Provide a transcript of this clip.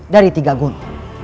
dari tiga gunung